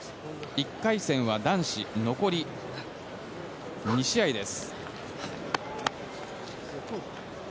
１回戦は男子残り２試合です。